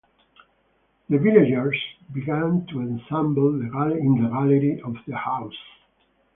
The villagers begin to assemble in the gallery of the house.